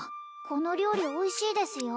この料理おいしいですよ？